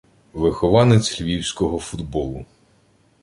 Вихованець львівського футболу.